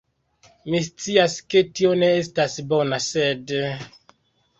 Mi scias, ke tio ne estas bona, sed...